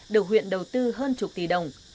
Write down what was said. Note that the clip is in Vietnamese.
được huyện đầu tư hơn chục tỷ đồng